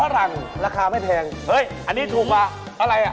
รังนกกระจอกนกนังแอดนี่